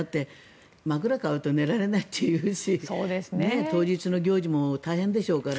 枕を変えると寝られないというし当日の行事も大変でしょうから。